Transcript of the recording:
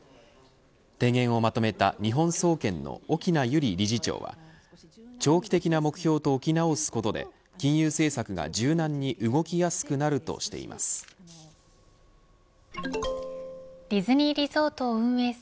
提言をまとめた日本総研の翁百合理事長は長期的な目標と置き直すことで金融政策が柔軟に動きやすくなるとしています。